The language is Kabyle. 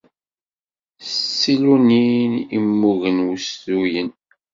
S tsilunin i mmugen wustuyen.